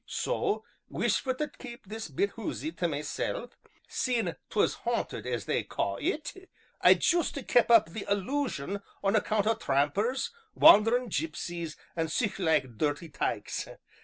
So, wishfu' tae keep this bit hoosie tae mysel' seein' 't was haunted as they ca' it I juist kep' up the illusion on account o' trampers, wanderin' gypsies, an' sic like dirty tykes.